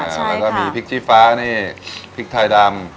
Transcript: แล้วก็มีพริกชี้ฟ้านี่พริกไทยดำ